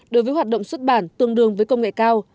đối với hoạt động xuất bản tương đương với công nghệ cao